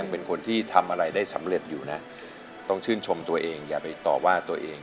เป็นคนที่ทำอะไรได้สำเร็จอยู่นะต้องชื่นชมตัวเองอย่าไปต่อว่าตัวเอง